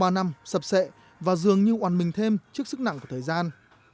ba năm sập sệ và dường như oàn mình thêm trước sức nặng của thời gian